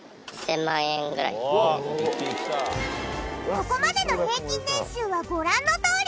ここまでの平均年収はご覧のとおり。